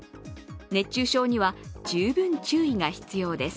熱中症には十分注意が必要です。